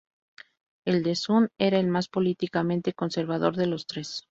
El "The Sun" era el más políticamente conservador de los tres.